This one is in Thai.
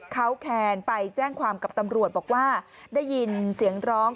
เขาแคนไปแจ้งความกับตำรวจบอกว่าได้ยินเสียงร้อง